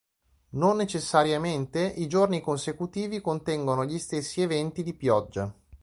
Non necessariamente i giorni consecutivi contengono gli stessi eventi di pioggia.